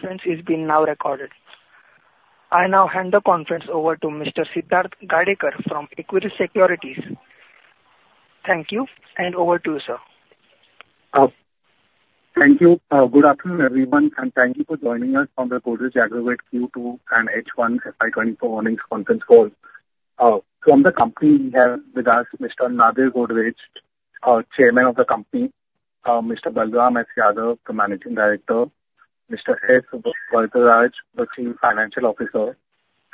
Conference is being now recorded. I now hand the conference over to Mr. Siddharth Gadekar from Equirus Securities. Thank you, and over to you, sir. Thank you. Good afternoon, everyone, and thank you for joining us on the Godrej Agrovet Q2 and H1 FY 2024 earnings conference call. From the company we have with us Mr. Nadir Godrej, our Chairman of the company, Mr. Balram S. Yadav, the Managing Director, Mr. S. Varadaraj, the Chief Financial Officer,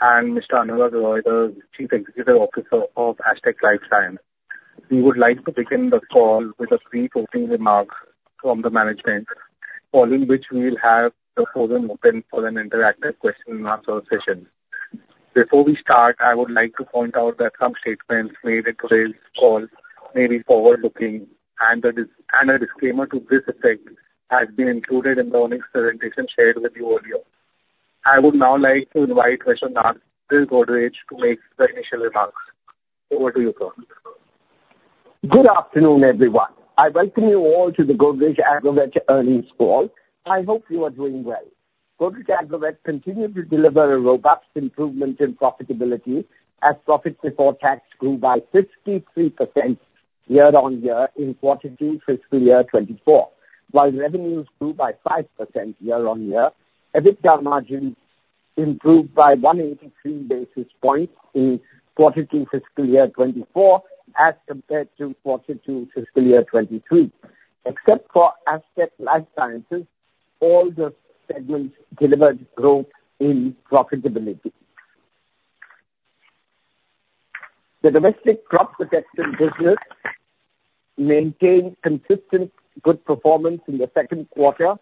and Mr. Anurag Roy, the Chief Executive Officer of Astec LifeSciences. We would like to begin the call with a few opening remarks from the management, following which we'll have the floor open for an interactive question and answer session. Before we start, I would like to point out that some statements made in today's call may be forward-looking, and a disclaimer to this effect has been included in the earnings presentation shared with you earlier. I would now like to invite Mr. Nadir Godrej to make the initial remarks. Over to you, sir. Good afternoon, everyone. I welcome you all to the Godrej Agrovet earnings call. I hope you are doing well. Godrej Agrovet continued to deliver a robust improvement in profitability as profits before tax grew by 53% year-on-year in quarter two, fiscal year 2024. While revenues grew by 5% year-on-year, EBITDA margin improved by 183 basis points in quarter two, fiscal year 2024, as compared to quarter two, fiscal year 2023. Except for Astec LifeSciences, all the segments delivered growth in profitability. The domestic crop protection business maintained consistent good performance in the second quarter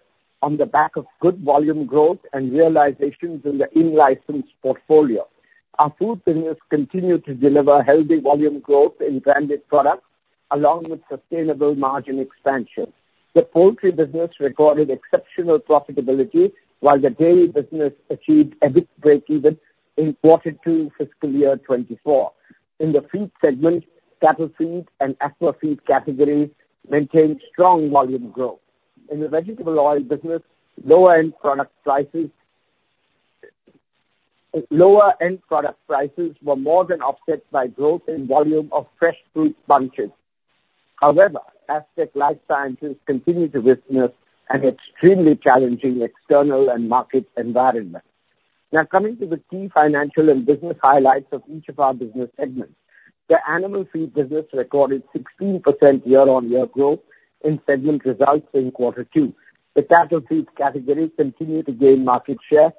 on the back of good volume growth and realizations in the in-license portfolio. Our food business continued to deliver healthy volume growth in branded products, along with sustainable margin expansion. The poultry business recorded exceptional profitability, while the dairy business achieved EBIT breakeven in quarter two, fiscal year 2024. In the feed segment, cattle feed and aqua feed categories maintained strong volume growth. In the vegetable oil business, lower end product prices were more than offset by growth in volume of fresh fruit bunches. However, Astec LifeSciences continued to witness an extremely challenging external and market environment. Now, coming to the key financial and business highlights of each of our business segments. The animal feed business recorded 16% year-over-year growth in segment results in quarter two. The cattle feed category continued to gain market share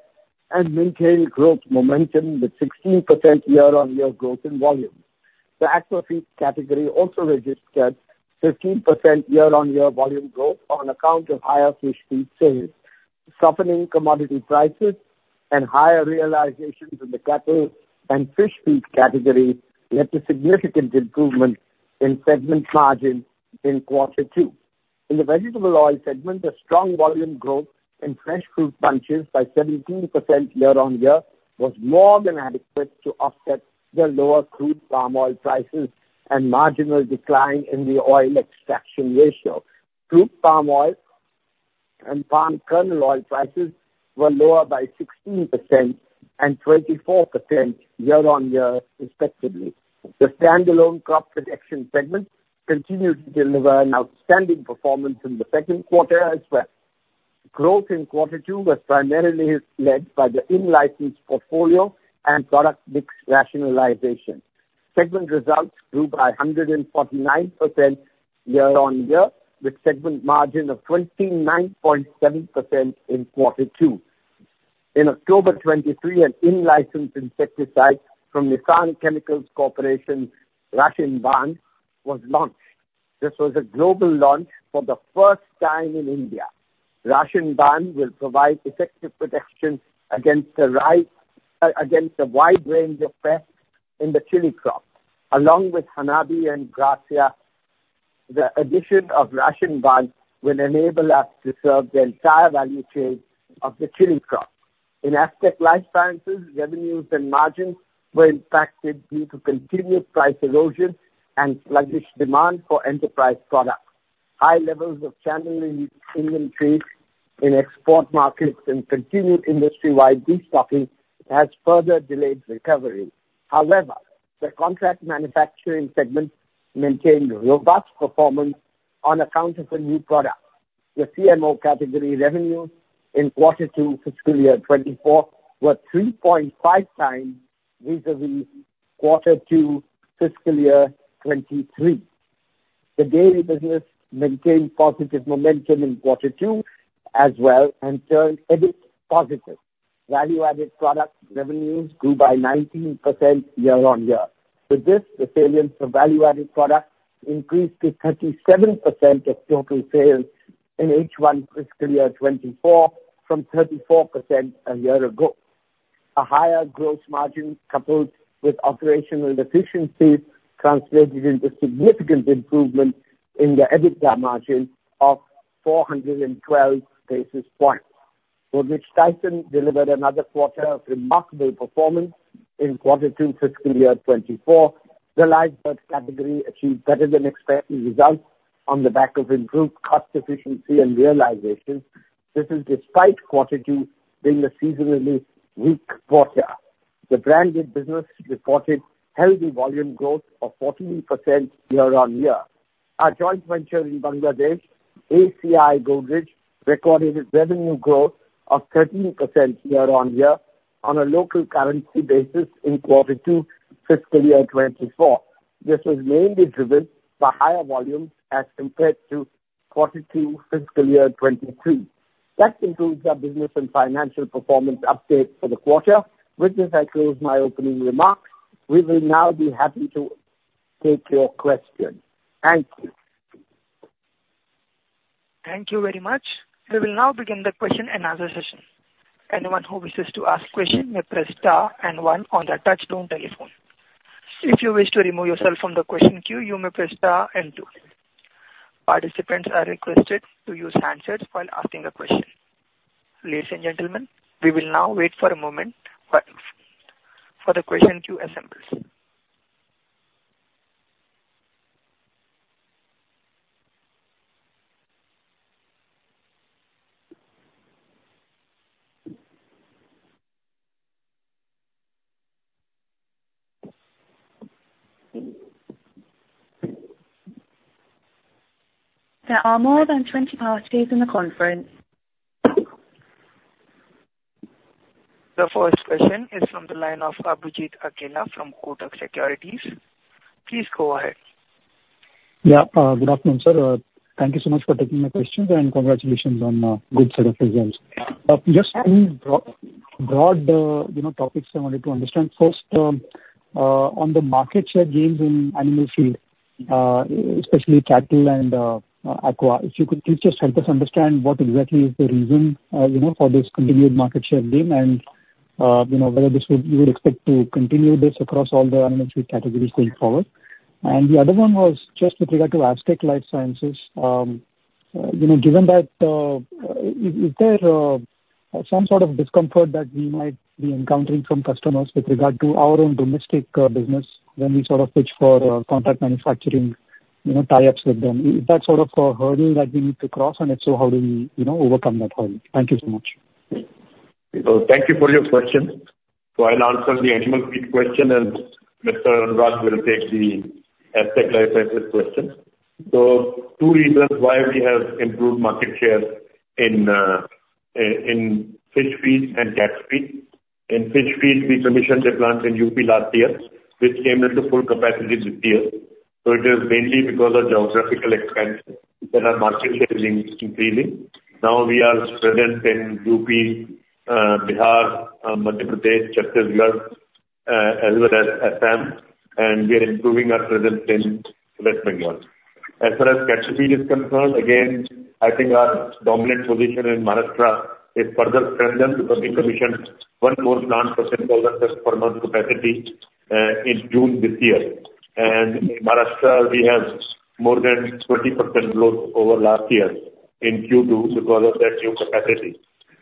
and maintain growth momentum with 16% year-over-year growth in volume. The aqua feed category also registered 15% year-over-year volume growth on account of higher fish feed sales. Softening commodity prices and higher realizations in the cattle and fish feed categories led to significant improvement in segment margin in quarter two. In the vegetable oil segment, the strong volume growth in fresh fruit bunches by 17% year-on-year was more than adequate to offset the lower crude palm oil prices and marginal decline in the oil extraction ratio. Crude palm oil and palm kernel oil prices were lower by 16% and 24% year-on-year, respectively. The standalone crop protection segment continued to deliver an outstanding performance in the second quarter as well. Growth in quarter two was primarily led by the in-license portfolio and product mix rationalization. Segment results grew by 149% year-on-year, with segment margin of 29.7% in quarter two. In October 2023, an in-license insecticide from Nissan Chemical Corporation, Rashinban, was launched. This was a global launch for the first time in India. Rashinban will provide effective protection against a wide range of pests in the chili crop. Along with Hanabi and Gracia, the addition of Rashinban will enable us to serve the entire value chain of the chili crop. In Astec LifeSciences, revenues and margins were impacted due to continued price erosion and sluggish demand for enterprise products. High levels of channel inventories in export markets and continued industry-wide destocking has further delayed recovery. However, the contract manufacturing segment maintained robust performance on account of a new product. The CMO category revenues in quarter two, fiscal year 2024, were 3.5x vis-a-vis quarter two, fiscal year 2023. The dairy business maintained positive momentum in quarter two as well and turned EBIT positive. Value-added product revenues grew by 19% year-on-year. With this, the sales for value-added products increased to 37% of total sales in H1 fiscal year 2024 from 34% a year ago. A higher gross margin, coupled with operational efficiencies, translated into significant improvement in the EBITDA margin of 412 basis points, for which Tyson delivered another quarter of remarkable performance in quarter two, fiscal year 2024. The live bird category achieved better-than-expected results on the back of improved cost efficiency and realization. This is despite quarter two being a seasonally weak quarter. The branded business reported healthy volume growth of 14% year-on-year. Our joint venture in Bangladesh, ACI Godrej, recorded its revenue growth of 13% year-on-year on a local currency basis in quarter two, fiscal year 2024. This was mainly driven by higher volumes as compared to quarter two, fiscal year 2022. That concludes our business and financial performance update for the quarter. With this, I close my opening remarks. We will now be happy to take your questions. Thank you. Thank you very much. We will now begin the question-and-answer session. Anyone who wishes to ask a question may press star and one on their touchtone telephone. If you wish to remove yourself from the question queue, you may press star and two. Participants are requested to use handsets while asking a question. Ladies and gentlemen, we will now wait for a moment as the question queue assembles. There are more than 20 parties in the conference. The first question is from the line of Abhijit Akella from Kotak Securities. Please go ahead. Yeah, good afternoon, sir. Thank you so much for taking my questions, and congratulations on good set of results. Just two broad, broad, you know, topics I wanted to understand. First, on the market share gains in animal feed, especially cattle and aqua. If you could please just help us understand what exactly is the reason, you know, for this continued market share gain? And, you know, whether this would- you would expect to continue this across all the animal feed categories going forward. And the other one was just with regard to Astec LifeSciences. You know, given that, is there some sort of discomfort that we might be encountering from customers with regard to our own domestic business when we sort of pitch for contract manufacturing, you know, tie-ups with them? Is that sort of a hurdle that we need to cross, and if so, how do we, you know, overcome that hurdle? Thank you so much. So thank you for your question. I'll answer the animal feed question, and Mr. Anurag will take the Astec LifeSciences question. Two reasons why we have improved market share in fish feed and cattle feed. In fish feed, we commissioned a plant in UP last year, which came into full capacity this year. So it is mainly because of geographical expansion that our market share is increasing. Now we are present in UP, Bihar, Madhya Pradesh, Chhattisgarh, as well as Assam, and we are improving our presence in West Bengal. As far as cattle feed is concerned, again, I think our dominant position in Maharashtra is further strengthened because we commissioned one more 90-ton per month capacity in June this year. In Maharashtra, we have more than 20% growth over last year in Q2 because of that new capacity.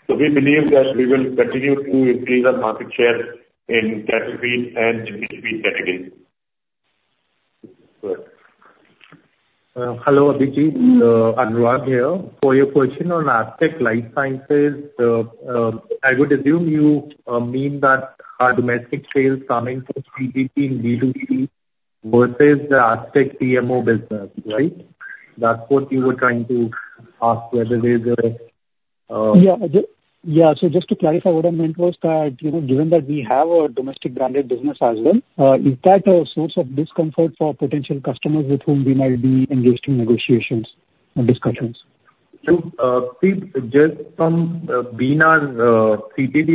We believe that we will continue to increase our market share in cattle feed and fish feed category. Hello, Abhijit, Anurag here. For your question on Astec LifeSciences, I would assume you mean that our domestic sales coming from CPB and B2B versus the Astec CMO business, right? That's what you were trying to ask, whether there's a, Yeah. Yeah, so just to clarify, what I meant was that, you know, given that we have a domestic branded business as well, is that a source of discomfort for potential customers with whom we might be engaged in negotiations or discussions? So, CPB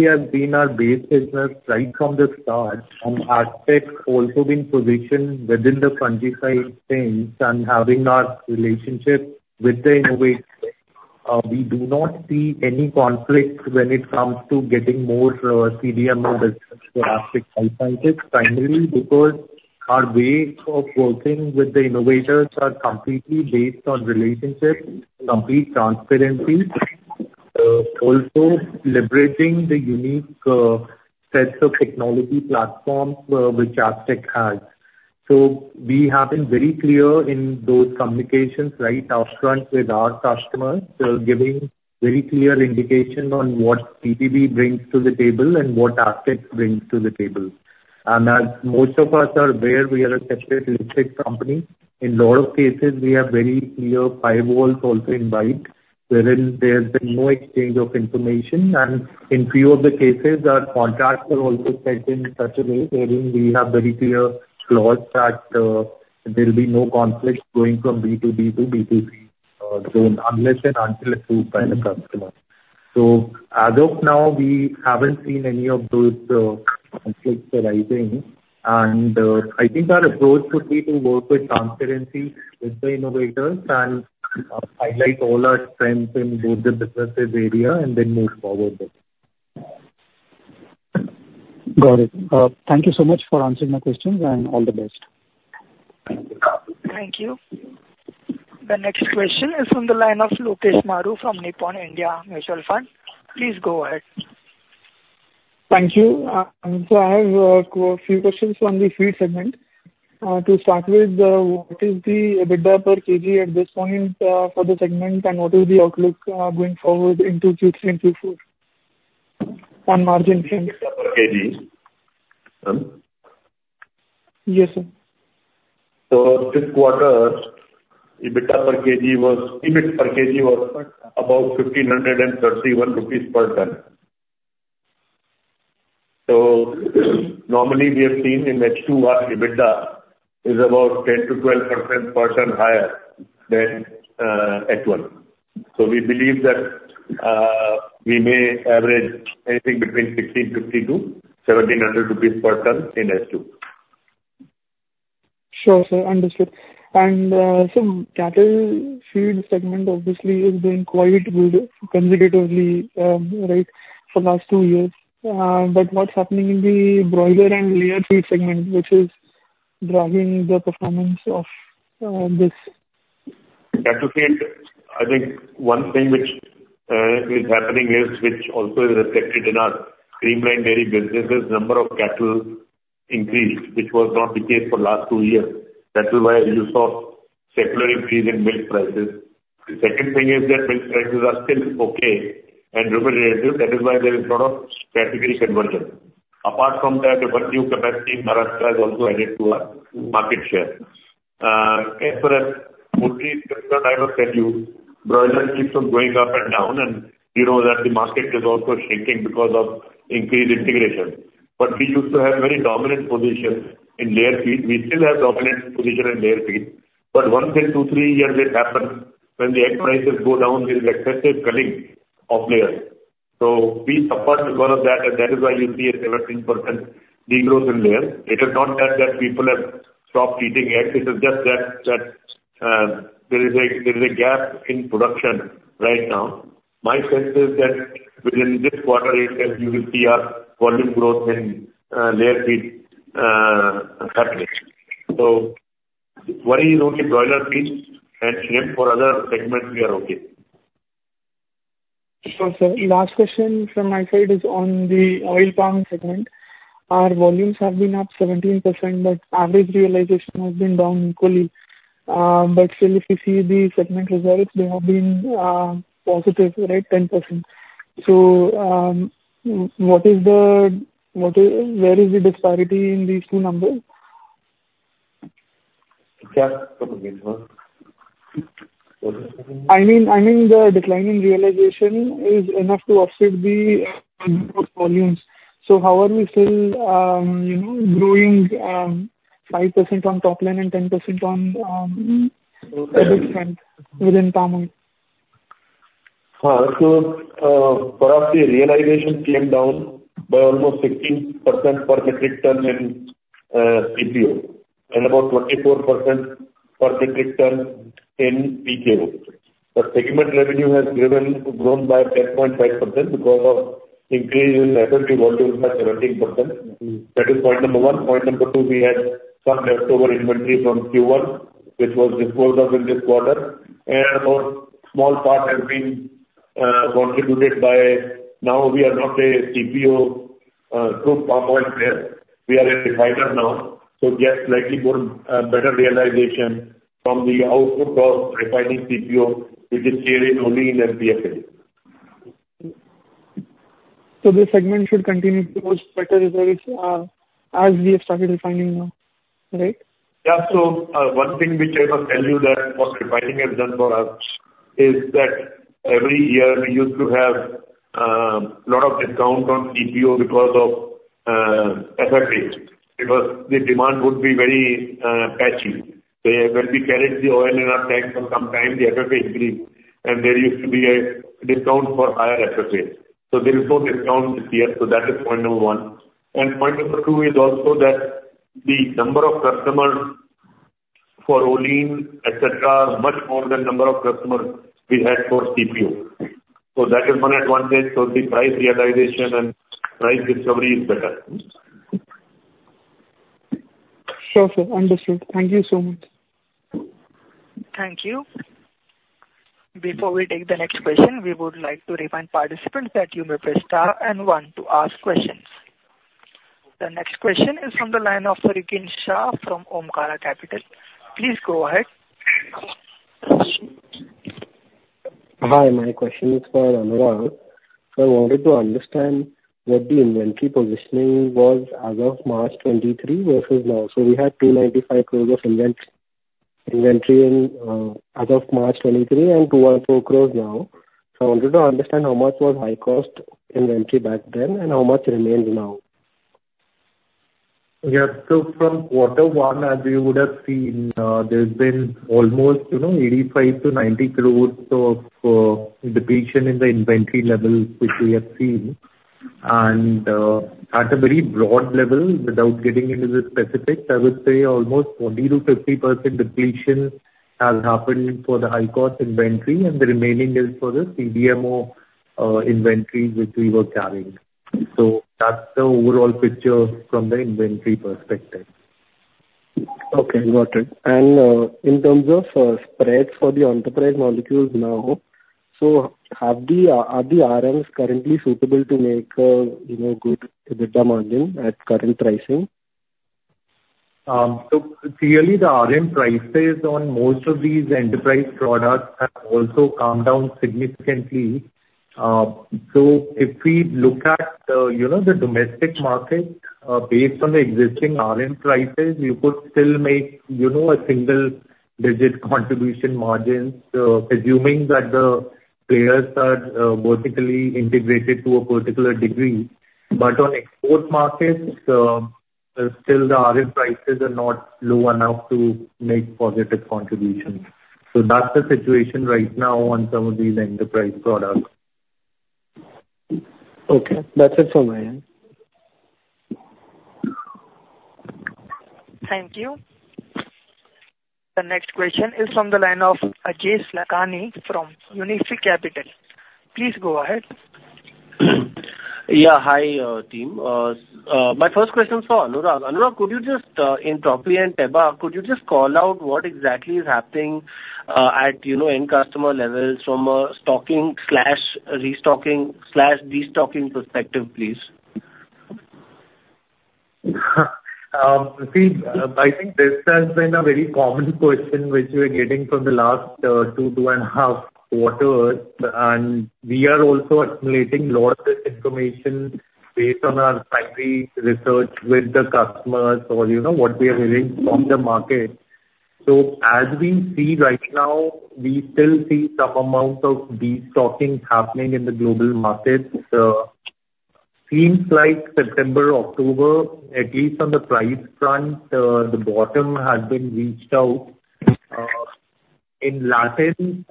has been our base business right from the start, and Astec also been positioned within the fungicide space and having our relationship with the innovators. We do not see any conflict when it comes to getting more CDMO business for Astec LifeSciences, primarily because our way of working with the innovators are completely based on relationship, complete transparency, also leveraging the unique sets of technology platforms which Astec has. So we have been very clear in those communications right up front with our customers, so giving very clear indication on what CPB brings to the table and what Astec brings to the table. And as most of us are aware, we are a separate listed company. In a lot of cases, we have very clear firewalls also in place, wherein there's been no exchange of information. In a few of the cases, our contracts are also set in such a way wherein we have very clear clause that, there'll be no conflict going from B2B to B2C, zone, unless and until approved by the customer. So as of now, we haven't seen any of those, conflicts arising, and, I think our approach would be to work with transparency with the innovators and, highlight all our strengths in both the businesses area and then move forward with it. Got it. Thank you so much for answering my questions, and all the best. Thank you. The next question is from the line of Lokesh Maru from Nippon India Mutual Fund. Please go ahead. Thank you. So I have a few questions on the feed segment. To start with, what is the EBITDA per kg at this point, for the segment, and what is the outlook, going forward into Q3 and Q4 on margin per kg? EBITDA per kg, hmm? Yes, sir. So this quarter, EBITDA per kg was- EBIT per kg was about 1,531 rupees per ton. So normally we have seen in H2, our EBITDA is about 10%-12% per ton higher than H1. So we believe that we may average anything between 1,650-1,700 rupees per ton in H2. Sure, sir. Understood. And, so cattle feed segment obviously is doing quite good consecutively, right, for the last two years. But what's happening in the broiler and layer feed segment, which is dragging the performance of this? Cattle feed, I think one thing which is happening is, which also is reflected in our Creamline Dairy business, is number of cattle increased, which was not the case for last two years. That is why you saw secular increase in milk prices. The second thing is that milk prices are still okay and remunerative, that is why there is lot of category conversion. Apart from that, the new capacity in Maharashtra has also added to our market share. As far as poultry, I will tell you, broiler keeps on going up and down, and you know that the market is also shrinking because of increased integration. But we used to have very dominant position in layer feed. We still have dominant position in layer feed, but once in two, three years, it happens when the egg prices go down, there is excessive culling of layers. So we suffered because of that, and that is why you see a 17% degrowth in layer. It is not that people have stopped eating eggs, it is just that there is a gap in production right now. My sense is that within this quarter, you will see our volume growth in layer feed start with. So worry is only broiler feed, and then for other segments we are okay. Sure, sir. The last question from my side is on the oil palm segment. Our volumes have been up 17%, but average realization has been down equally. But still if you see the segment results, they have been positive, right, 10%. What is the disparity in these two numbers? Yeah. I mean, the decline in realization is enough to offset the growth volumes. So how are we still, you know, growing 5% on top line and 10% on within palm oil? For us, the realization came down by almost 16% per metric ton in CPO, and about 24% per metric ton in PKO. Segment revenue has grown by 10.5% because of increase in volumes by 17%. Mm-hmm. That is point number one. Point number two, we had some leftover inventory from Q1, which was disposed of in this quarter. And about small part has been contributed by... Now we are not a CPO, crude palm oil player. We are a refiner now, so we get slightly good, better realization from the output of refining CPO, which is clearly only in the FFA. This segment should continue to post better results, as we have started refining now, right? Yeah. So, one thing which I must tell you that what refining has done for us is that every year we used to have, lot of discount on CPO because of, FFA. Because the demand would be very, patchy. So when we carry the oil in our tank for some time, the FFA increase, and there used to be a discount for higher FFAs. So there is no discount this year, so that is point number one. And point number two is also that the number of customers for Olein, et cetera, are much more than number of customers we had for CPO. So that is one advantage, so the price realization and price discovery is better. Sure, sir. Understood. Thank you so much. Thank you. Before we take the next question, we would like to remind participants that you may press star and one to ask questions. The next question is from the line of Rikin Shah from Omkara Capital. Please go ahead. Hi, my question is for Anurag. I wanted to understand what the inventory positioning was as of March 2023 versus now. We had 295 crore of inventory as of March 2023, and 204 crore now. I wanted to understand how much was high-cost inventory back then and how much remains now? Yeah. So from quarter one, as you would have seen, there's been almost, you know, 85 crore-90 crore of depletion in the inventory levels which we have seen. And at a very broad level, without getting into the specifics, I would say almost 40%-50% depletion has happened for the high-cost inventory, and the remaining is for the CDMO inventory which we were carrying. So that's the overall picture from the inventory perspective. Okay, got it. And, in terms of, spreads for the enterprise molecules now, so have the, are the RMs currently suitable to make a, you know, good EBITDA margin at current pricing? So clearly the RM prices on most of these enterprise products have also come down significantly. So if we look at, you know, the domestic market, based on the existing RM prices, you could still make, you know, a single digit contribution margins, assuming that the players are, vertically integrated to a particular degree. But on export markets, still the RM prices are not low enough to make positive contributions. So that's the situation right now on some of these enterprise products. Okay, that's it from my end. Thank you. The next question is from the line of Aejas Lakhani from Unifi Capital. Please go ahead. Yeah, hi, team. My first question is for Anurag. Anurag, could you just, in propi and tebu, could you just call out what exactly is happening, at, you know, end customer levels from a stocking slash restocking slash destocking perspective, please? See, I think this has been a very common question which we're getting from the last 2.5 quarters, and we are also accumulating a lot of this information based on our primary research with the customers or, you know, what we are hearing from the market. So as we see right now, we still see some amount of destocking happening in the global markets. Seems like September, October, at least on the price front, the bottom has been reached out. In Latin,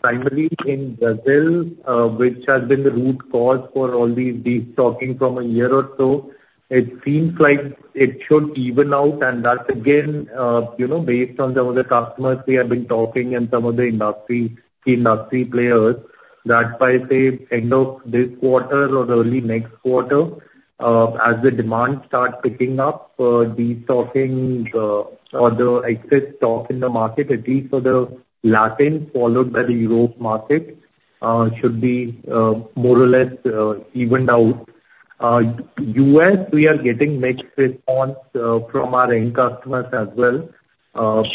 primarily in Brazil, which has been the root cause for all these destocking from a year or so, it seems like it should even out. That, again, you know, based on some of the customers we have been talking and some of the industry players, that by, say, end of this quarter or the early next quarter, as the demand starts picking up, destocking or the excess stock in the market, at least for the Latin, followed by the Europe market, should be more or less evened out. U.S., we are getting mixed response from our end customers as well.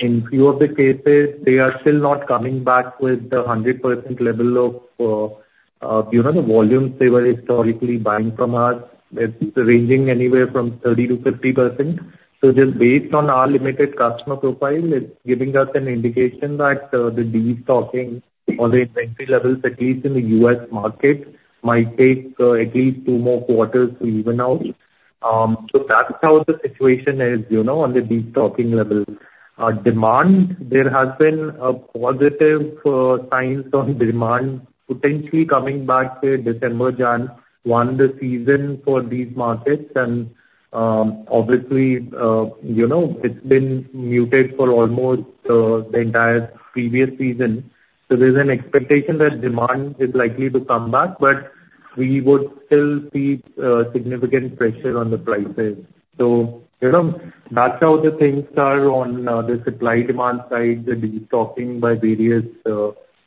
In few of the cases, they are still not coming back with the 100% level of, you know, the volumes they were historically buying from us. It's ranging anywhere from 30%-50%. So just based on our limited customer profile, it's giving us an indication that the destocking or the inventory levels, at least in the U.S. market, might take at least two more quarters to even out. So that's how the situation is, you know, on the destocking level. Demand, there has been positive signs on demand potentially coming back say December, January, Q1, the season for these markets and obviously, you know, it's been muted for almost the entire previous season. So there's an expectation that demand is likely to come back, but we would still see significant pressure on the prices. So, you know, that's how the things are on the supply-demand side, the destocking by various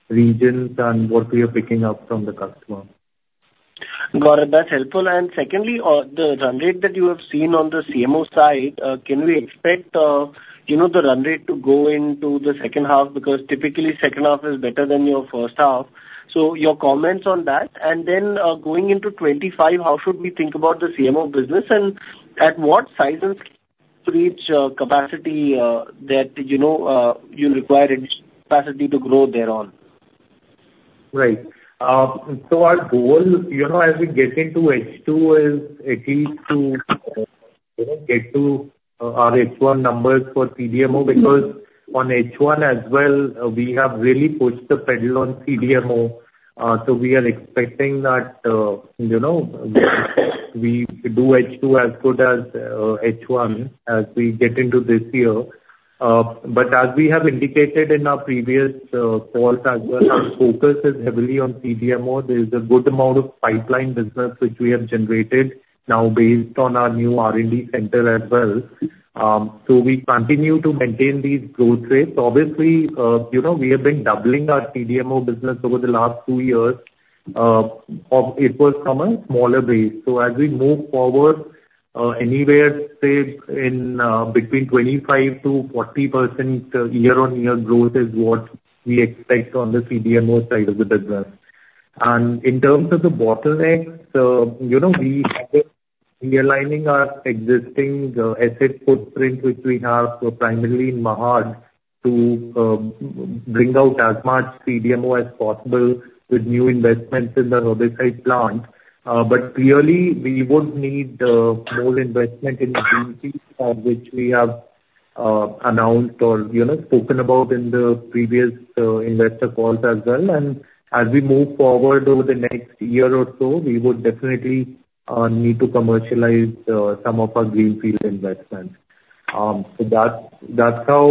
regions and what we are picking up from the customer. Got it. That's helpful. And secondly, on the run rate that you have seen on the CMO side, can we expect, you know, the run rate to go into the second half? Because typically, second half is better than your first half. So your comments on that. And then, going into 2025, how should we think about the CMO business, and at what size and reach, capacity, that, you know, you require capacity to grow there on? Right. So our goal, you know, as we get into H2, is at least to, you know, get to, our H1 numbers for CDMO. Because on H1 as well, we have really pushed the pedal on CDMO. So we are expecting that, you know, we do H2 as good as, H1 as we get into this year. But as we have indicated in our previous calls as well, our forecast is heavily on CDMO. There's a good amount of pipeline business which we have generated now based on our new R&D center as well. So we continue to maintain these growth rates. Obviously, you know, we have been doubling our CDMO business over the last two years, it was from a smaller base. As we move forward, anywhere, say, in between 25%-40% year-on-year growth is what we expect on the CDMO side of the business. In terms of the bottlenecks, you know, we are realigning our existing Astec footprint, which we have primarily in Mahad, to bring out as much CDMO as possible with new investments in the herbicide plant. Clearly, we would need more investment in greenfield, which we have announced or, you know, spoken about in the previous investor calls as well. As we move forward over the next year or so, we would definitely need to commercialize some of our greenfield investments. That's how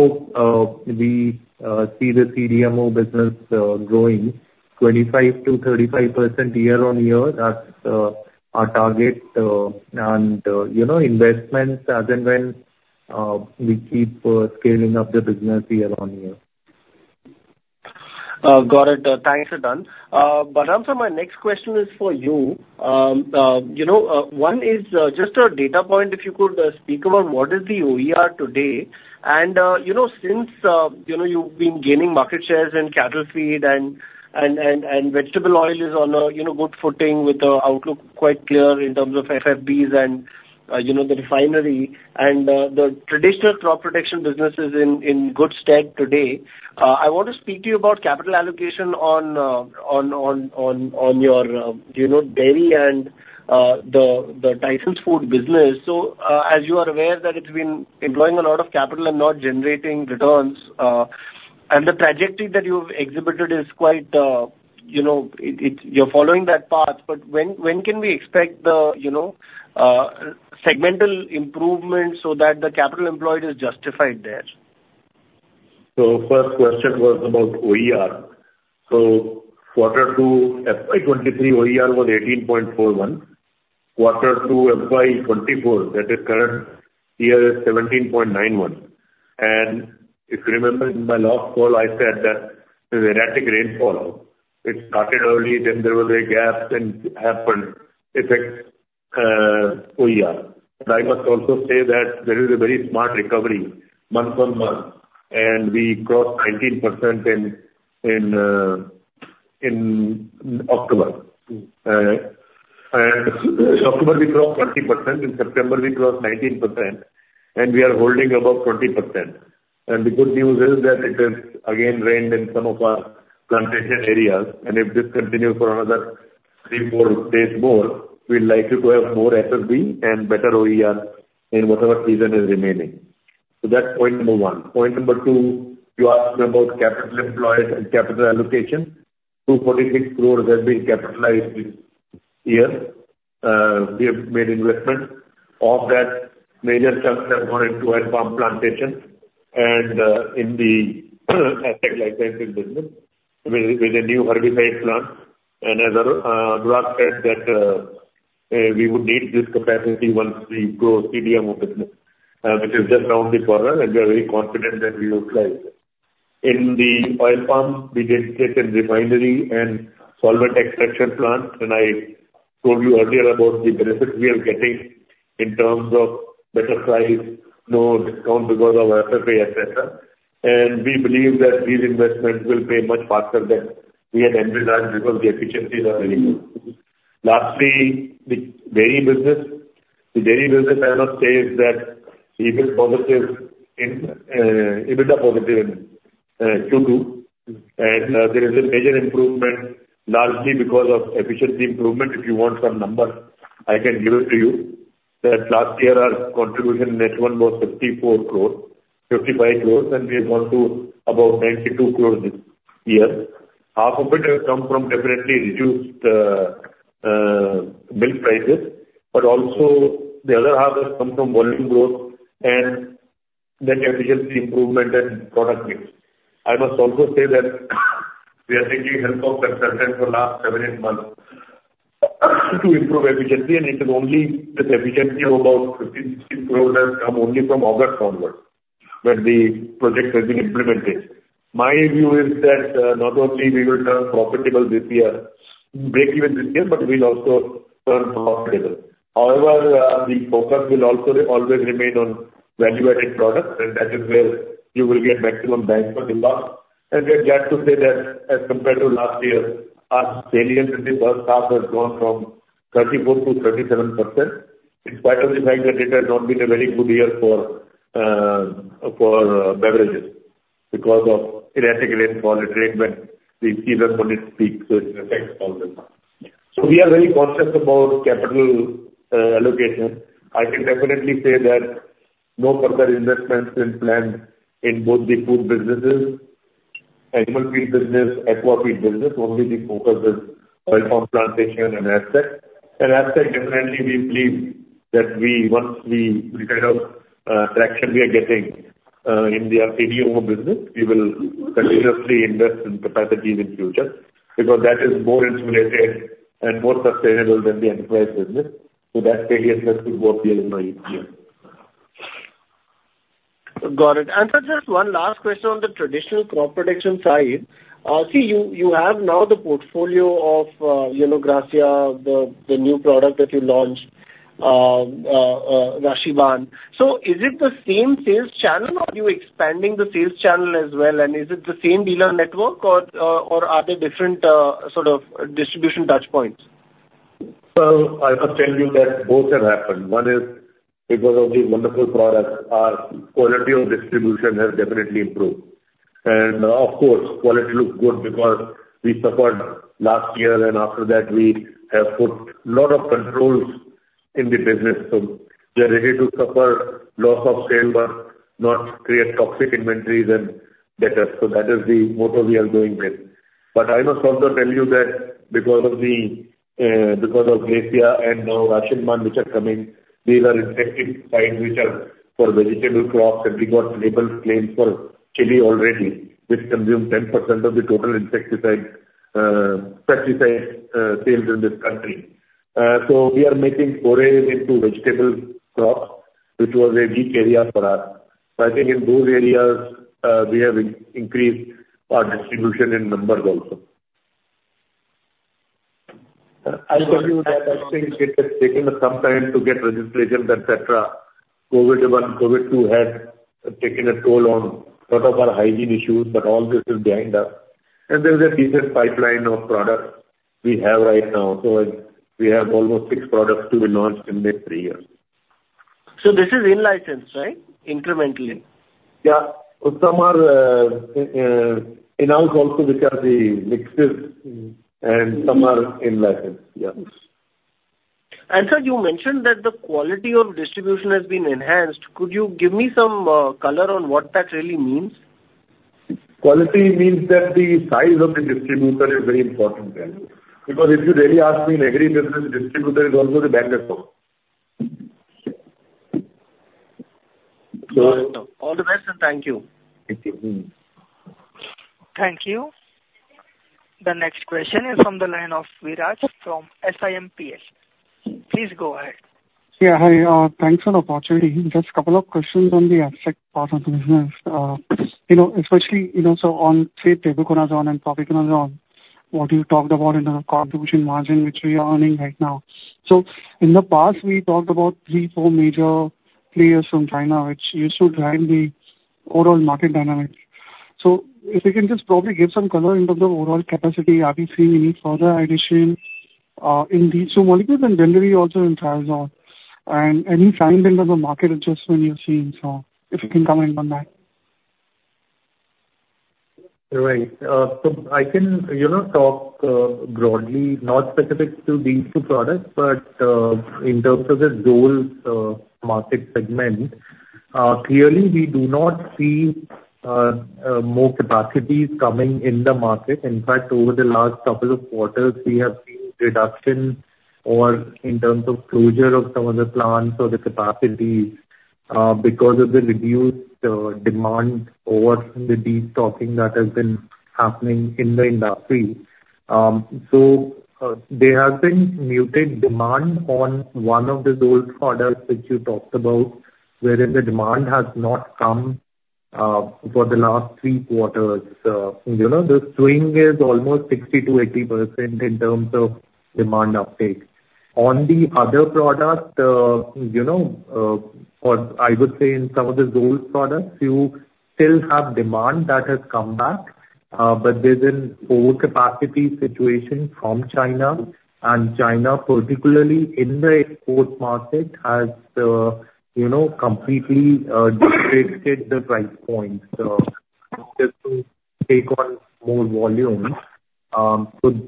we see the CDMO business growing 25%-35% year-on-year, that's our target. You know, investments as and when we keep scaling up the business year-on-year. Got it. Thanks. Balram sir, my next question is for you. You know, one is just a data point, if you could speak about what is the OER today, and you know, since you know, you've been gaining market shares and cattle feed and vegetable oil is on a you know, good footing with the outlook quite clear in terms of FFBs and you know, the refinery and the traditional crop protection business is in good stead today. I want to speak to you about capital allocation on your you know, dairy and the Tyson Foods business. So, as you are aware that it's been employing a lot of capital and not generating returns, and the trajectory that you've exhibited is quite, you know, it you're following that path, but when can we expect the, you know, segmental improvement so that the capital employed is justified there? So first question was about OER. So quarter two, FY 2023, OER was 18.41. Quarter two, FY 2024, that is current year, is 17.91. And if you remember in my last call, I said that the erratic rainfall, it started early, then there was a gap, and it happened affect OER. But I must also say that there is a very smart recovery month-on-month, and we crossed 19% in October. And October, we crossed 20%, in September we crossed 19%, and we are holding above 20%. And the good news is that it has again rained in some of our plantation areas, and if this continues for another three to four days more, we're likely to have more FFB and better OER in whatever season is remaining. So that's point number one. Point number two, you asked me about capital employed and capital allocation. 246 crore have been capitalized this year. We have made investments. Of that, major chunks have gone into oil palm plantation and in the Astec LifeSciences business with a new herbicide plant. And as Anurag said that we would need this capacity once we grow CDMO business, which is just around the corner, and we are very confident that we utilize it. In the oil palm, we did take a refinery and solvent extraction plant, and I told you earlier about the benefits we are getting in terms of better price, no discount because of FFB, et cetera. And we believe that these investments will pay much faster than we had envisioned because the efficiencies are very good. Lastly, the dairy business. The dairy business, I must say, is EBITDA positive in Q2. There is a major improvement, largely because of efficiency improvement. If you want some numbers, I can give it to you. That last year, our contribution net one was 54 crores-55 crores, and we have gone to about 92 crores this year. Half of it has come from definitely reduced milk prices, but also the other half has come from volume growth and the efficiency improvement and product mix. I must also say that we are taking help of consultants for last seven, eight months to improve efficiency. It is only this efficiency of about 15 crores has come only from August onwards, when the project has been implemented. My view is that, not only we will turn profitable this year, breakeven this year, but we'll also turn profitable. However, the focus will also always remain on value-added products, and that is where you will get maximum bang for the buck. We are glad to say that as compared to last year, our saliency in the VAP stock has gone from 34%-37%, in spite of the fact that it has not been a very good year for beverages, because of erratic rainfall and rain, but we see the monsoon peak, so it affects all this. So we are very conscious about capital allocation. I can definitely say that no further investments are planned in both the food businesses, animal feed business, aqua feed business. Only the focus is oil palm plantation and asset. Astec, definitely, we believe that we once we look at our traction we are getting in the CDMO business, we will continuously invest in capacities in future, because that is more insulated and more sustainable than the enterprise business, so that seriousness is worth dealing with here. Got it. And sir, just one last question on the traditional crop protection side. So you have now the portfolio of, you know, Gracia, the new product that you launched, Rashinban. So is it the same sales channel, or are you expanding the sales channel as well? And is it the same dealer network or, or are there different, sort of distribution touchpoints? So I must tell you that both have happened. One is because of the wonderful products, our quality of distribution has definitely improved. And of course, quality looks good because we suffered last year, and after that, we have put lot of controls in the business. So we are ready to suffer loss of sale, but not create toxic inventories and better. So that is the motto we are going with. But I must also tell you that because of the, because of Gracia and now Rashinban, which are coming, these are insecticide which are for vegetable crops, and we got label claims for chili already, which consume 10% of the total insecticide, pesticide, sales in this country. So we are making forays into vegetable crops, which was a weak area for us. So I think in those areas, we have increased our distribution in numbers also. I'll tell you that it has taken some time to get registrations, et cetera. COVID one, COVID two has taken a toll on lot of our hygiene issues, but all this is behind us. And there's a decent pipeline of products we have right now. So we have almost six products to be launched in the next three years. This is in-licensed, right? Incrementally. Yeah. Some are in-house also, which are the mixes, and some are in license. Yeah. Sir, you mentioned that the quality of distribution has been enhanced. Could you give me some color on what that really means? Quality means that the size of the distributor is very important there. Because if you really ask me, in agri business, distributor is also the banker. All the best, and thank you. Thank you. Thank you. The next question is from the line of Viraj from SiMPL. Please go ahead. Yeah, hi. Thanks for the opportunity. Just a couple of questions on the Astec part of the business. You know, especially, you know, so on, say, Tebuconazole and Propiconazole, what you talked about in terms of contribution margin, which we are earning right now. So in the past, we talked about three to four major players from China, which used to drive the overall market dynamics. So if you can just probably give some color in terms of overall capacity, are we seeing any further addition in these two molecules and generally also in Triazole? And any change in terms of market adjustment you're seeing. So if you can comment on that. Right. So I can, you know, talk broadly, not specific to these two products, but in terms of the global market segment, clearly, we do not see more capacities coming in the market. In fact, over the last couple of quarters, we have seen reduction or in terms of closure of some of the plants or the capacities, because of the reduced demand or the destocking that has been happening in the industry. So, there has been muted demand on one of those products which you talked about, wherein the demand has not come for the last three quarters. You know, the swing is almost 60%-80% in terms of demand uptake. On the other product, you know, or I would say in some of those products, you still have demand that has come back, but there's an overcapacity situation from China, and China, particularly in the export market, has, you know, completely degraded the price points, just to take on more volume. So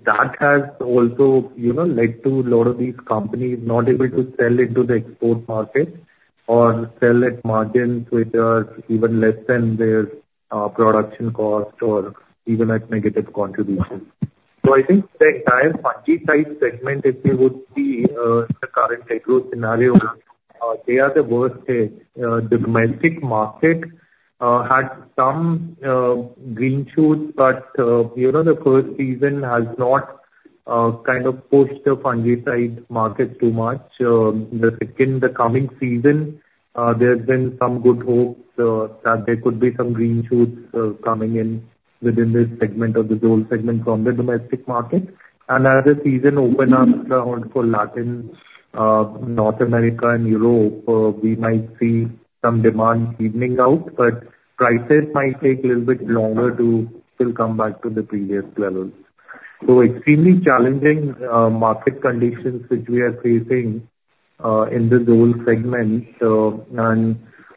that has also, you know, led to a lot of these companies not able to sell into the export market or sell at margins which are even less than their production cost or even at negative contribution. So I think the entire fungicide segment, if you would see, the current scenario, they are the worst hit. The domestic market had some green shoots, but, you know, the first season has not kind of pushed the fungicide market too much. The second, the coming season, there's been some good hopes, that there could be some green shoots, coming in within this segment of the whole segment from the domestic market. And as the season open up around for Latin, North America and Europe, we might see some demand evening out, but prices might take a little bit longer to still come back to the previous levels. So extremely challenging, market conditions which we are facing, in this whole segment. And,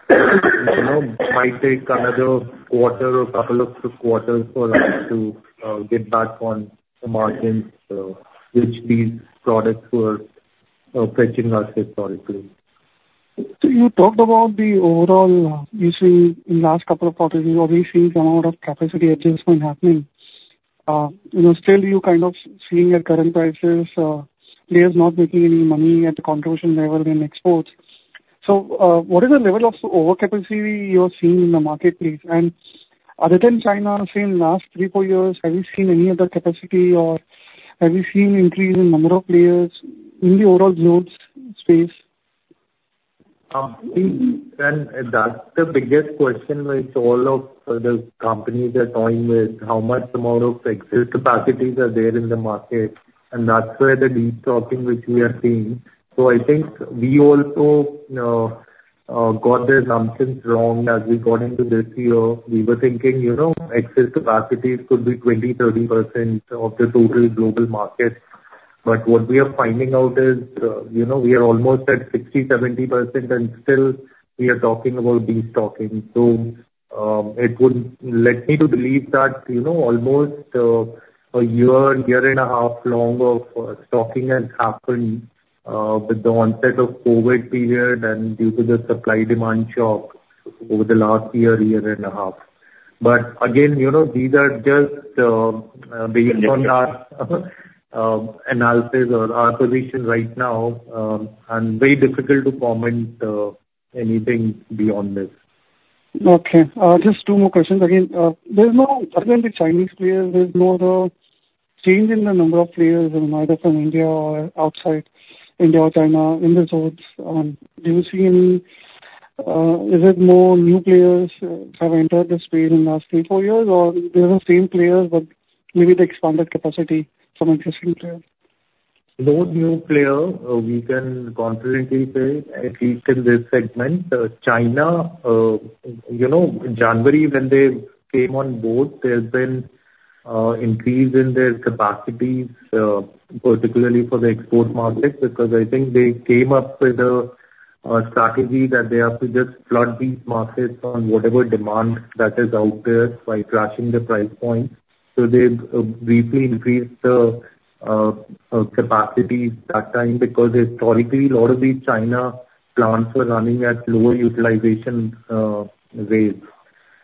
you know, might take another quarter or couple of quarters for us to, get back on the margins, which these products were fetching us historically. So you talked about the overall you see in last couple of quarters, you've already seen some amount of capacity adjustment happening. You know, still you kind of seeing at current prices, players not making any money at the contribution level in exports. So, what is the level of overcapacity you are seeing in the marketplace? And other than China, say, in last three, four years, have you seen any other capacity or have you seen increase in number of players in the overall triazoles space? And that's the biggest question which all of the companies are toying with: how much more of excess capacities are there in the market? And that's where the destocking which we are seeing. So I think we also got the assumptions wrong as we got into this year. We were thinking, you know, excess capacities could be 20%-30% of the total global market. But what we are finding out is, you know, we are almost at 60%-70%, and still we are talking about destocking. So it would lead me to believe that, you know, almost a year, year and a half long of stocking has happened with the onset of COVID period and due to the supply/demand shock over the last year, year and a half. But again, you know, these are just based on our analysis or our position right now, and very difficult to comment anything beyond this. Okay, just two more questions again. There's no other than the Chinese players, there's no change in the number of players, either from India or outside India or China in this space. Do you see any, is it more new players have entered the space in the last three to four years, or they are the same players, but maybe they expanded capacity from existing players? No new player, we can confidently say, at least in this segment. China, you know, January, when they came on board, there's been increase in their capacities, particularly for the export markets, because I think they came up with a strategy that they have to just flood these markets on whatever demand that is out there by crashing the price point. So they've briefly increased the capacities that time, because historically, a lot of these China plants were running at lower utilization rates.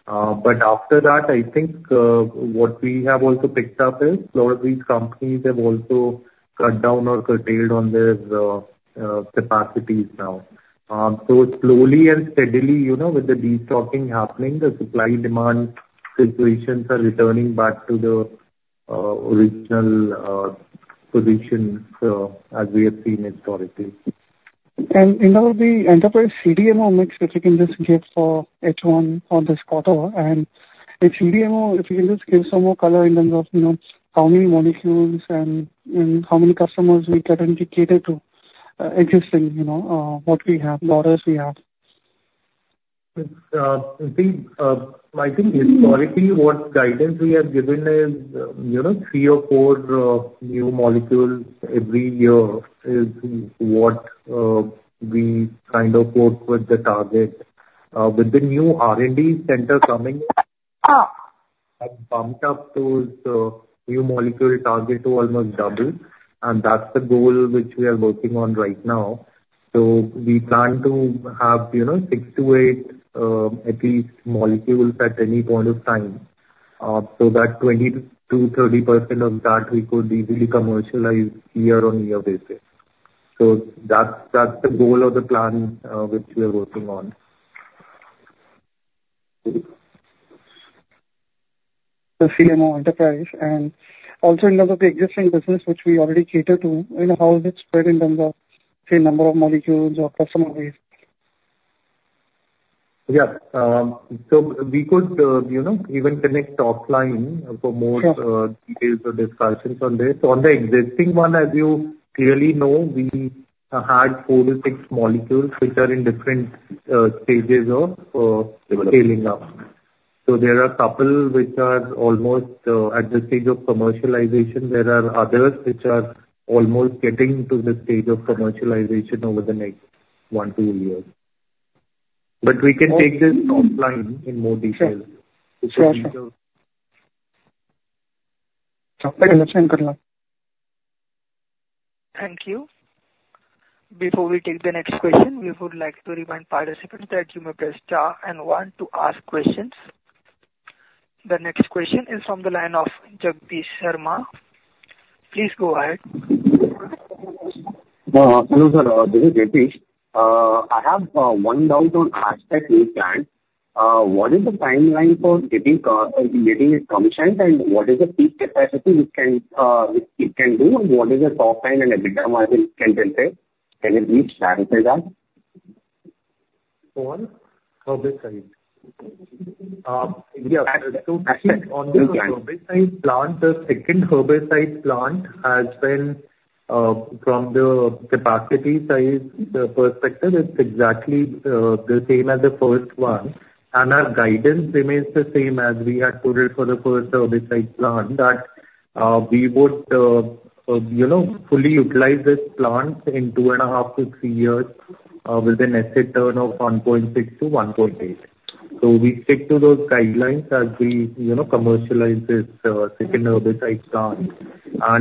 But after that, I think what we have also picked up is, a lot of these companies have also cut down or curtailed on their capacities now. So slowly and steadily, you know, with the destocking happening, the supply-demand situations are returning back to the original positions, as we have seen historically. And in terms of the enterprise CDMO mix, if you can just give for H1 for this quarter, and if CDMO, if you can just give some more color in terms of, you know, how many molecules and, and how many customers we currently cater to, existing, you know, what we have, the orders we have. It's, I think, I think historically, what guidance we have given is, you know, three or four new molecules every year is what we kind of quote with the target. With the new R&D center coming in, I've bumped up those new molecule target to almost double, and that's the goal which we are working on right now. So we plan to have, you know, six to eight at least molecules at any point of time. So that 20%-30% of that we could easily commercialize year-on-year basis. So that's, that's the goal of the plan which we are working on. The CDMO enterprise, and also in terms of the existing business which we already cater to, you know, how is it spread in terms of, say, number of molecules or customer base? Yeah. So we could, you know, even connect offline for more- Sure. Details or discussions on this. On the existing one, as you clearly know, we had four to six molecules which are in different stages of scaling up. So there are a couple which are almost at the stage of commercialization. There are others which are almost getting to the stage of commercialization over the next one to two years. But we can take this offline in more detail. Sure. Sure. Thank you. Before we take the next question, we would like to remind participants that you may press star and one to ask questions. The next question is from the line of Jagdish Sharma. Please go ahead. Hello, sir. This is Jagdish. I have one doubt on expansion plant. What is the timeline for getting it commissioned, and what is the peak capacity it can do, and what is the top line and EBITDA margin can deliver? Can you please clarify that? On herbicide. Yeah. Aspect. On the herbicide plant, the second herbicide plant has been from the capacity size perspective, it's exactly the same as the first one. Our guidance remains the same as we had put it for the first herbicide plant, that we would, you know, fully utilize this plant in 2.5-3 years with an asset turn of 1.6-1.8. So we stick to those guidelines as we, you know, commercialize this second herbicide plant.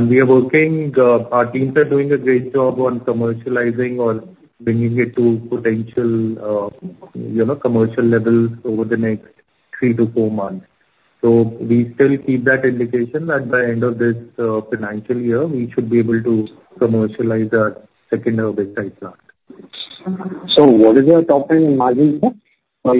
We are working, our teams are doing a great job on commercializing or bringing it to potential, you know, commercial levels over the next three to four months. So we still keep that indication that by end of this financial year, we should be able to commercialize that second herbicide plant. What is our top-line margins there, in this way? We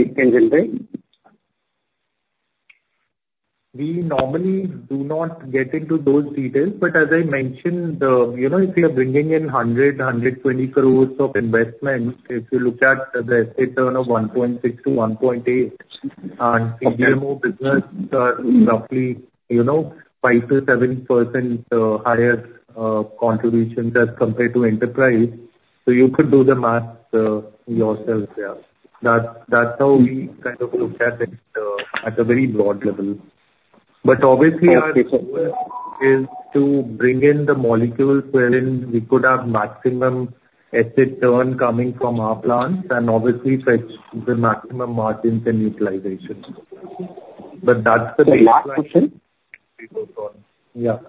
normally do not get into those details, but as I mentioned, you know, if you are bringing in 120 crore of investment, if you look at the asset turn of 1.6-1.8, CDMO business are roughly, you know, 5%-7% higher contribution as compared to enterprise. So you could do the math yourselves there. That's, that's how we kind of look at it at a very broad level. But obviously, our in- Okay. is to bring in the molecules wherein we could have maximum asset turn coming from our plants, and obviously fetch the maximum margins and utilizations. But that's the way- Last question. Yeah. Okay.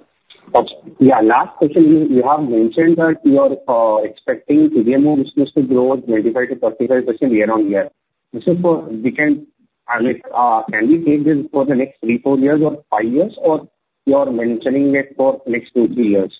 Yeah, last question. You have mentioned that you are expecting CDMO business to grow 25%-35% year-on-year. Just so for we can, can we take this for the next three, four years or five years, or you are mentioning it for next two, three years?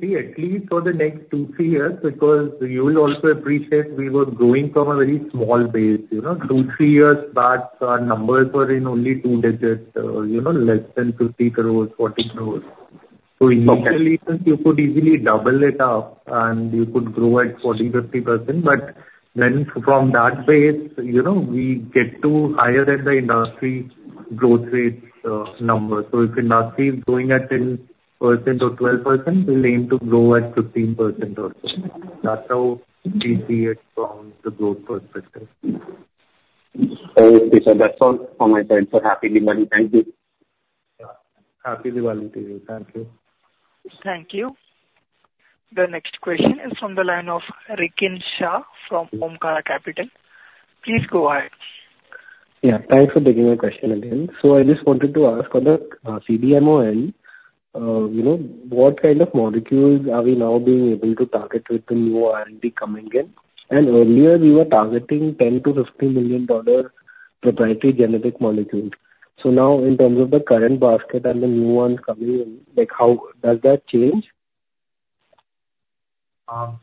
See, at least for the next two, three years, because you will also appreciate we were growing from a very small base. You know, two, three years back, our numbers were in only two digits, you know, less than 50 crore, 40 crore. So initially, you could easily double it up, and you could grow at 40%-50%. But then from that base, you know, we get to higher than the industry growth rates, number. So if industry is growing at 10% or 12%, we'll aim to grow at 15% or so. That's how we see it from the growth perspective. Okay, sir. That's all from my side, sir. Happy Diwali. Thank you. Happy Diwali to you. Thank you. Thank you. The next question is from the line of Rikin Shah from Omkara Capital. Please go ahead. Yeah, thanks for taking my question again. So I just wanted to ask on the CDMO end, you know, what kind of molecules are we now being able to target with the new R&D coming in? And earlier, you were targeting $10 million-$15 million proprietary generic molecules. So now, in terms of the current basket and the new ones coming in, like, how does that change?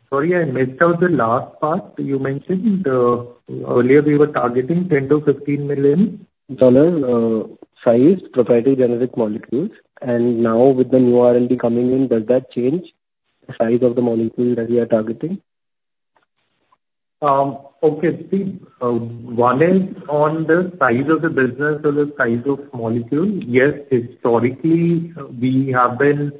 Sorry, I missed out the last part. You mentioned, earlier we were targeting 10 million-15 million? dollar size proprietary generic molecules, and now with the new R&D coming in, does that change the size of the molecule that we are targeting? Okay. See, one is on the size of the business or the size of molecule. Yes, historically, we have been,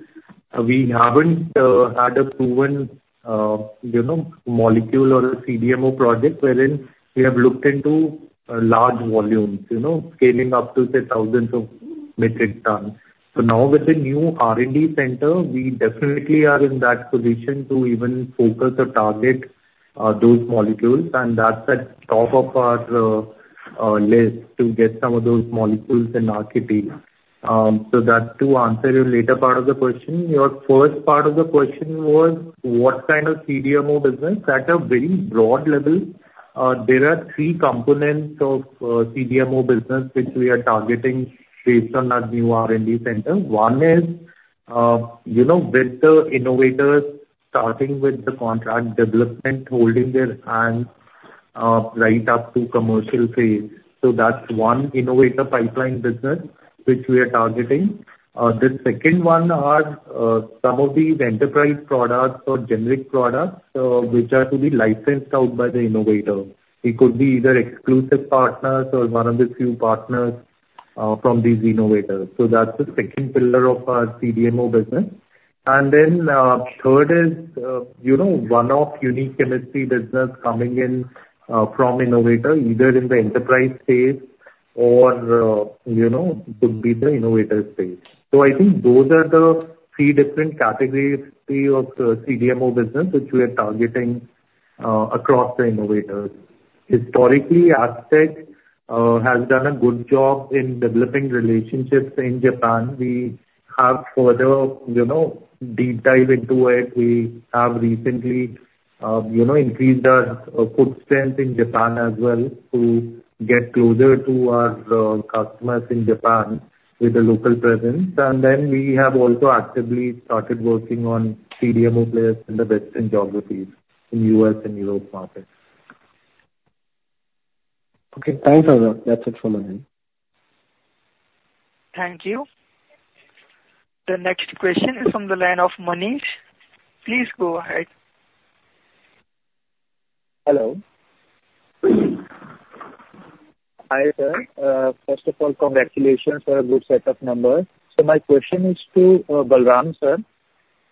we haven't had a proven, you know, molecule or a CDMO project wherein we have looked into large volumes, you know, scaling up to, say, thousands of metric tons. So now with the new R&D center, we definitely are in that position to even focus or target those molecules, and that's at top of our list to get some of those molecules in our kitty. So that's to answer your later part of the question. Your first part of the question was, what kind of CDMO business? At a very broad level, there are three components of CDMO business which we are targeting based on our new R&D center. One is, you know, with the innovators, starting with the contract development, holding their hand, right up to commercial phase. So that's one innovator pipeline business which we are targeting. The second one are, some of these enterprise products or generic products, which are to be licensed out by the innovator. We could be either exclusive partners or one of the few partners, from these innovators. So that's the second pillar of our CDMO business. And then, third is, you know, one-off unique chemistry business coming in, from innovator, either in the enterprise space or, you know, could be the innovator space. So I think those are the three different categories of the CDMO business which we are targeting, across the innovators. Historically, Astec has done a good job in developing relationships in Japan. We have further, you know, deep dive into it. We have recently, you know, increased our footprint in Japan as well to get closer to our customers in Japan with a local presence. And then we have also actively started working on CDMO players in the Western geographies, in U.S. and Europe markets. Okay, thanks a lot. That's it from my end. Thank you. The next question is from the line of Manish. Please go ahead. Hello. Hi, sir. First of all, congratulations on a good set of numbers. So my question is to Balram, sir.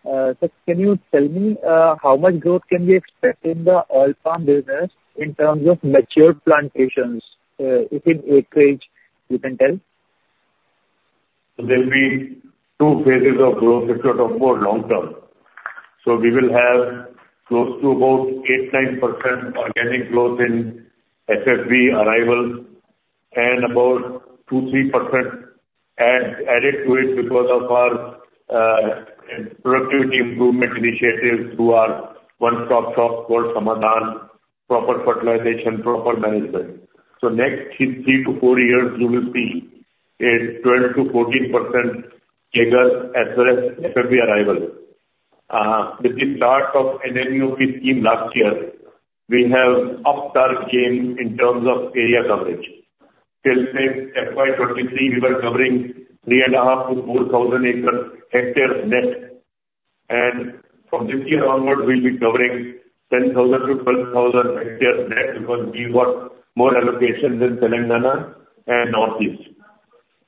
Sir, can you tell me how much growth can we expect in the oil palm business in terms of mature plantations within acreage, you can tell? There'll be two phases of growth if you talk about long term. So we will have close to about 8%-9% organic growth in FFB arrival, and about 2%-3% added to it because of our productivity improvement initiatives through our one-stop shop for solution, proper fertilization, proper management. So next three to four years, you will see a 12%-14% rigor as well as FFB arrival. With the start of NMEO-OP scheme last year, we have upped our game in terms of area coverage. Till, say, FY 2023, we were covering 3,500-4,000 hectares net, and from this year onward, we'll be covering 10,000-12,000 hectares net because we got more allocations in Telangana and Northeast.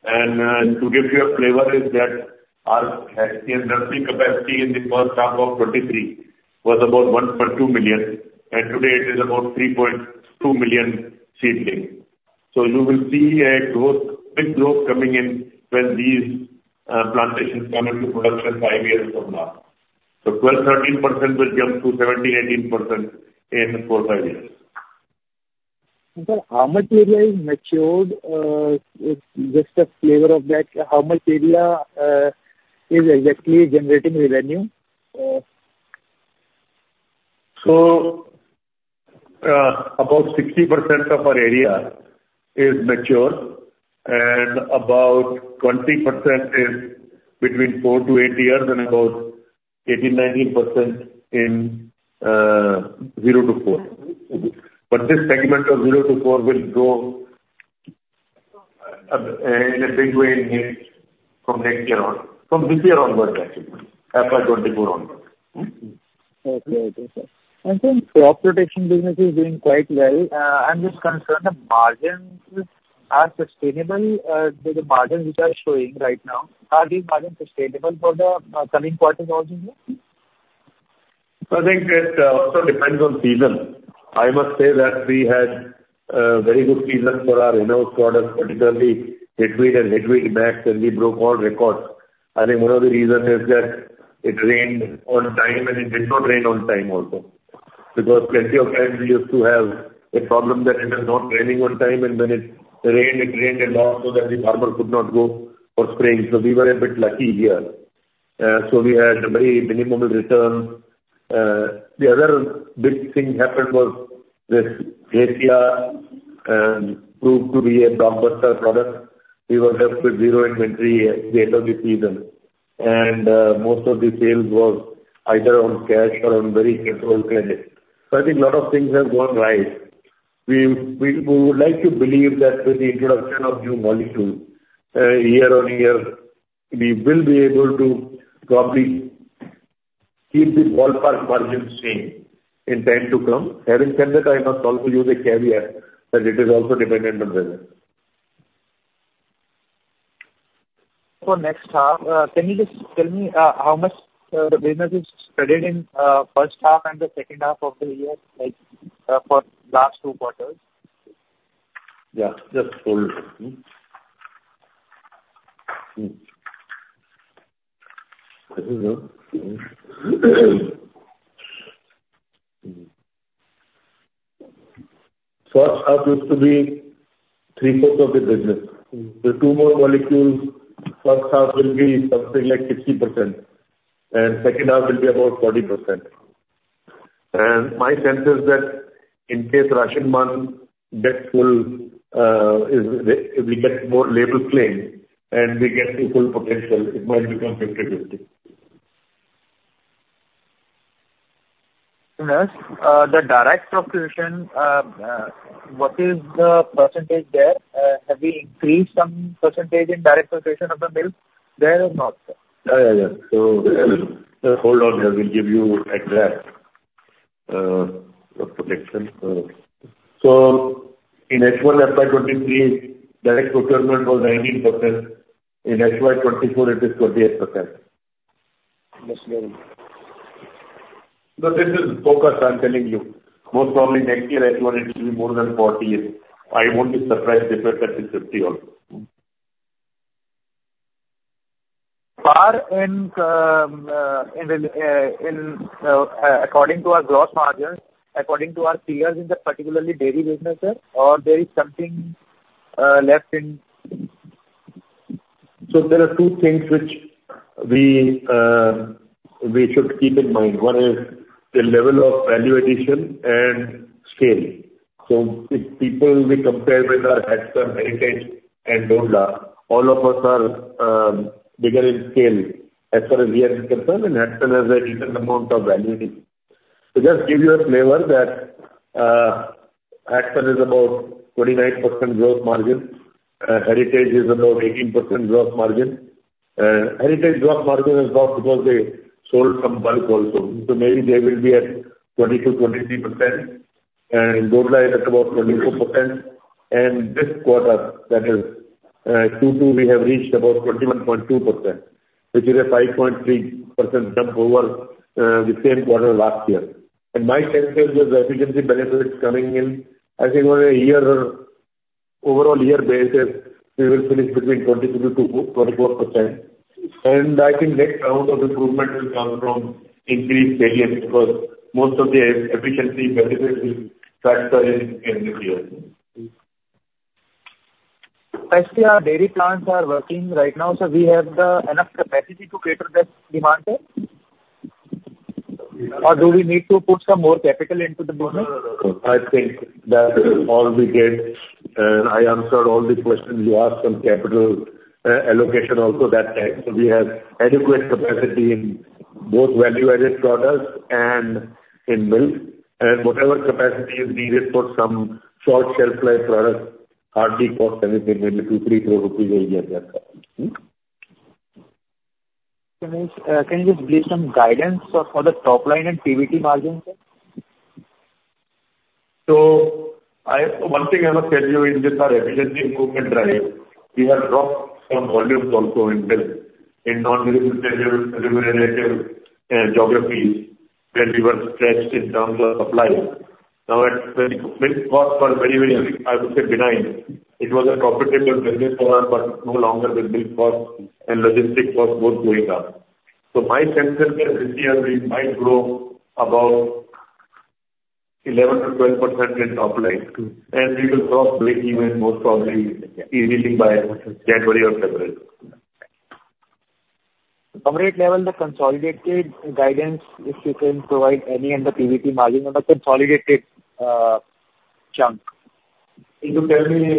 To give you a flavor is that our seedling nursing capacity in the first half of 2023 was about 1.2 million, and today it is about 3.2 million seedlings. So you will see a growth, big growth coming in when these plantations come into production five years from now. So 12%-13% will jump to 17%-18% in four to five years. Sir, how much area is matured? Just a flavor of that, how much area is exactly generating revenue? So, about 60% of our area is mature, and about 20% is between four to eight years, and about 18%, 19% in 0-4. But this segment of 0-4 will grow in a big way in here from next year on, from this year onwards, actually, FY 2024 onwards. Okay. Okay, sir. And then crop protection business is doing quite well. I'm just concerned the margins are sustainable. The margins which are showing right now, are these margins sustainable for the coming quarters also, sir? I think it also depends on season. I must say that we had very good season for our in-house products, particularly Hitweed and Hitweed Max, and we broke all records. I think one of the reason is that it rained on time, and it did not rain on time also. Because plenty of times we used to have a problem that it was not raining on time, and when it rained, it rained a lot, so then the farmer could not go for spraying. So we were a bit lucky here. So we had a very minimal return. The other big thing happened was this Gracia proved to be a blockbuster product. We were left with zero inventory at the end of the season. Most of the sales were either on cash or on very controlled credit. I think a lot of things have gone right. We would like to believe that with the introduction of new molecules, year on year, we will be able to probably keep the ballpark margins same in time to come. Having said that, I must also use a caveat that it is also dependent on weather. For next half, can you just tell me how much the business is spread in first half and the second half of the year, like, for last two quarters? Yeah, just hold on. I don't know. First half used to be three-quarters of the business. Hmm. The two more molecules, first half will be something like 60%, and second half will be about 40%. And my sense is that in case Rashinban gets full, if we get more label claim and we get the full potential, it might become 50/50. The direct procurement, what is the percentage there? Have we increased some percentage in direct procurement of the milk there or not, sir? Yeah, yeah, yeah. So, hold on here. We'll give you exact projection. So in FY 2023, direct procurement was 19%. In FY 2024, it is 38%. That's very good. No, this is focus I'm telling you. Most probably next year, FY, it will be more than 48. I won't be surprised if it touches 50 also. Far in, according to our gross margins, according to our peers in the particularly dairy business, or there is something less in? So there are two things which we should keep in mind. One is the level of value addition and scale. So if people we compare with are Hatsun, Heritage, and Dodla, all of us are bigger in scale as far as we are concerned, and Hatsun has a decent amount of value addition. To just give you a flavor that Hatsun is about 29% gross margin, Heritage is about 18% gross margin. Heritage gross margin is not because they sold some bulk also. So maybe they will be at 22%-23%, and Dodla is at about 24%. And this quarter, that is Q2, we have reached about 21.2%, which is a 5.3% jump over the same quarter last year. My sense is the efficiency benefits coming in, I think on a year, overall year basis, we will finish between 22%-24%. I think next round of improvement will come from increased volumes, because most of the efficiency benefit will factor in, in this year. Actually, our dairy plants are working right now, so we have the enough capacity to cater this demand there? Or do we need to put some more capital into the business? No, no, no. I think that all we get, I answered all the questions you asked on capital allocation also that time. So we have adequate capacity in both value-added products and in milk. And whatever capacity is needed for some short shelf life products, hardly cost anything, maybe INR 2 crore-INR 3 crore a year. Can you just give some guidance for the top line and PBT margins there? So, one thing I must tell you, with our efficiency improvement drive, we have dropped some volumes also in milk, in non-lucrative, lucrative geographies, where we were stretched in terms of supply. Now, at when milk costs were very, very high, I would say benign, it was a profitable business for us, but no longer with milk cost and logistics cost both going up. So my sense is that this year we might grow about 11%-12% in top line, and we will cross breakeven even more probably easily by January or February. Corporate level, the consolidated guidance, if you can provide any, and the PBT margin on the consolidated chunk. You tell me.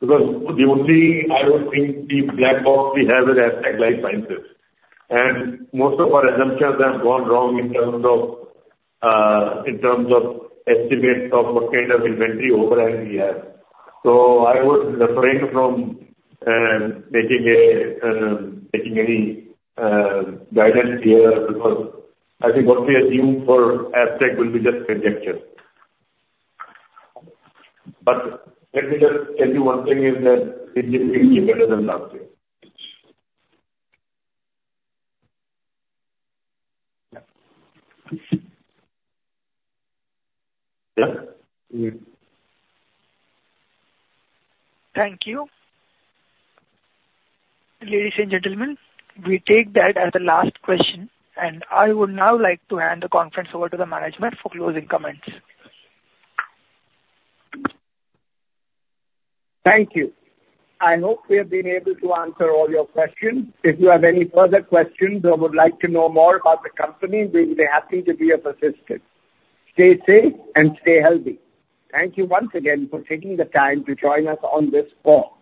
Because the only, I don't think the black box we have is Astec LifeSciences. And most of our assumptions have gone wrong in terms of estimates of what kind of inventory overhang we have. So I would refrain from making any guidance here, because I think what we assume for Astec will be just conjecture. But let me just tell you one thing is that it is better than last year. Yeah. Yeah? Thank you. Ladies and gentlemen, we take that as the last question, and I would now like to hand the conference over to the management for closing comments. Thank you. I hope we have been able to answer all your questions. If you have any further questions or would like to know more about the company, we'd be happy to be of assistance. Stay safe and stay healthy. Thank you once again for taking the time to join us on this call.